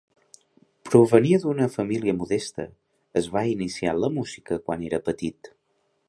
Provenia d'una família modesta, es va iniciar en la música quan era petit.